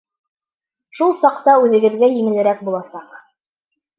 Шул саҡта үҙегеҙгә еңелерәк буласаҡ.